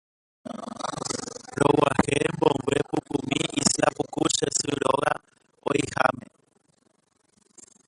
Rog̃uahẽ mboyve pukumi Isla puku che sy róga oĩháme